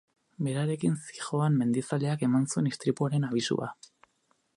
Berarekin zihoan mendizaleak eman zuen istripuaren abisua.